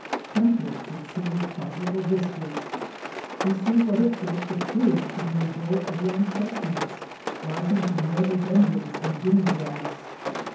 Temperate succeed tropical vistas; we see what at first appears to be a grove of young chestnuts rising from rhodo dendrons and guinea grass.